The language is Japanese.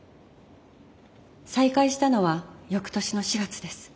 再会したのは翌年の４月です。